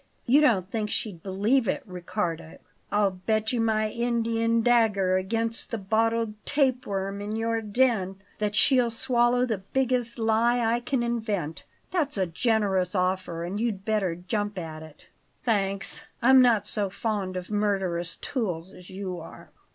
You don't think she'd believe it, Riccardo? I'll bet you my Indian dagger against the bottled tape worm in your den that she'll swallow the biggest lie I can invent. That's a generous offer, and you'd better jump at it." "Thanks, I'm not so fond of murderous tools as you are."